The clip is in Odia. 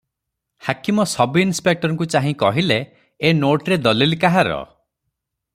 ହାକିମ ସବ୍ଇନିସ୍ପେକ୍ଟରଙ୍କୁ ଚାହିଁ କହିଲେ- "ଏ ନୋଟରେ ଦଲିଲ କାହାର?"